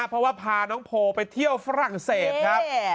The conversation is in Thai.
เพราะว่าพาน้องโพลไปเที่ยวฝรั่งเศสครับ